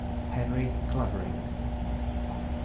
HENRY CLAVERING XIV.